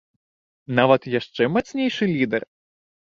Нават яшчэ мацнейшы лідэр?